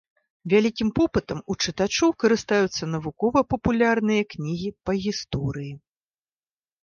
Вялікім попытам у чытачоў карыстаюцца навукова-папулярныя кнігі па гісторыі.